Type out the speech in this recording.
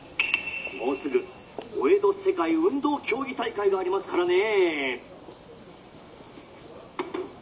「もうすぐお江戸世界運動競技大会がありますからね」。